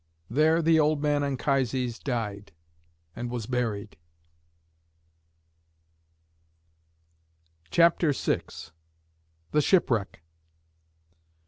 There the old man Anchises died, and was buried. CHAPTER VI. THE SHIPWRECK.